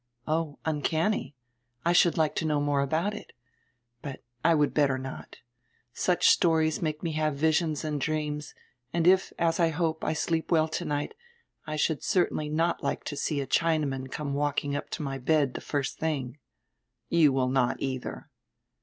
"Oh, uncanny? I should like to know more about it. But I would better not. Such stories make me have visions and dreams, and if, as I hope, I sleep well tonight, I should certainly not like to see a Chinaman come walking up to my bed die first tiling." "You will not, eidier."